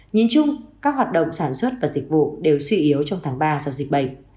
nhìn chung các hoạt động sản xuất và dịch vụ đều suy yếu trong tháng ba do dịch bệnh